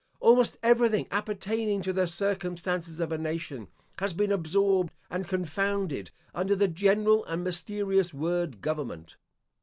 Almost everything appertaining to the circumstances of a nation, has been absorbed and confounded under the general and mysterious word government.